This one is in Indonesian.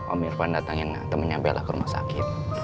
om irfan datangin temennya bela ke rumah sakit